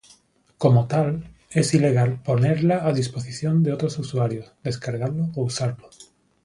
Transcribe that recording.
Como tal, es ilegal ponerla a disposición de otros usuarios, descargarlo o usarlo".